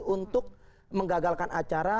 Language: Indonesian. untuk menggagalkan acara